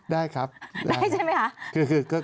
ได้ครับได้ใช่ไหมคะ